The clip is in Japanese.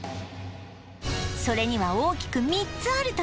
それには大きく３つあるという